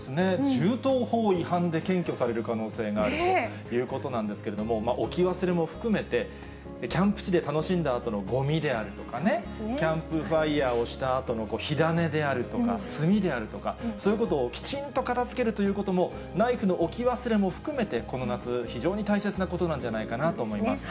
銃刀法違反で検挙される可能性があるということなんですけれども、置き忘れも含めて、キャンプ地で楽しんだあとのごみであるとかね、キャンプファイヤーをしたあとの火種であるとか、炭であるとか、そういうことをきちんと片づけるということも、ナイフの置き忘れも含めて、この夏、非常に大切なことなんじゃないかなと思います。